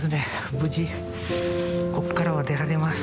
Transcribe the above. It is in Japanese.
無事こっからは出られます。